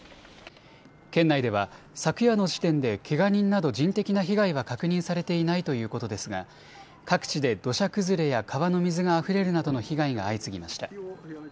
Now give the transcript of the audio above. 県内では昨夜の時点でけが人など人的な被害は確認されていないということですが各地で土砂崩れや川の水があふれるなどの被害が相次ぎました。